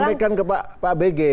sampaikan ke pak bg